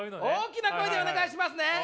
大きな声でお願いしますね！